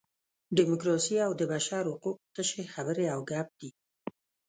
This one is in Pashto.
ډیموکراسي او د بشر حقوق تشې خبرې او ګپ دي.